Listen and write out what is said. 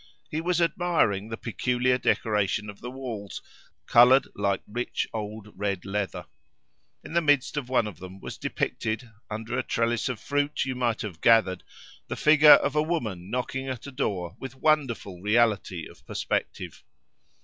He was admiring the peculiar decoration of the walls, coloured like rich old red leather. In the midst of one of them was depicted, under a trellis of fruit you might have gathered, the figure of a woman knocking at a door with wonderful reality of perspective.